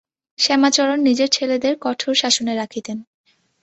শ্যামাচরণ নিজের ছেলেদের কঠোর শাসনে রাখিতেন।